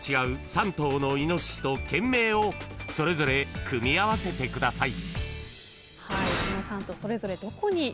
３頭のイノシシと県名をそれぞれ組み合わせてください］